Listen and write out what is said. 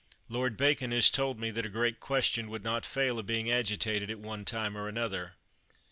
Lord Ba con has told me that a great question would not fail of being agitated at one time or another.